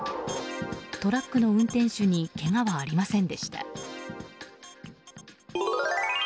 トラックの運転手にけがはありませんでした。